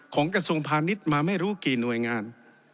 กระทรวงพาณิชย์มาไม่รู้กี่หน่วยงาน